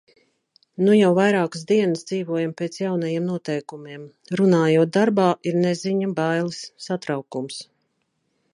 Nu jau vairākas dienas dzīvojam pēc jaunajiem noteikumiem. Runājot darbā, ir neziņa, bailes, satraukums.